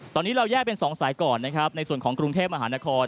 ตอนนี้เราแยกเป็น๒สายก่อนนะครับในส่วนของกรุงเทพมหานคร